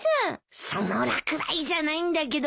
その落雷じゃないんだけど。